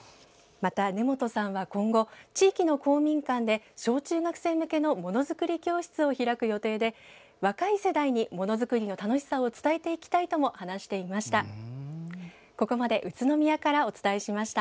また、根本さんは今後、地域の公民館で小中学生向けのものづくり教室を開く予定で若い世代にものづくりの楽しさを伝えていきたいとも話していました。